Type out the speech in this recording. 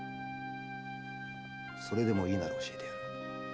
それでもいいなら教えてやる。